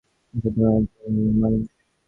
এবং সেও দেখত-আপনি কত অসাধারণ একজন মানুষ!